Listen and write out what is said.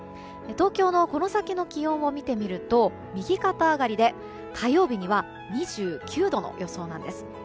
東京のこの先の気温を見てみると右肩上がりで火曜日には２９度の予想なんです。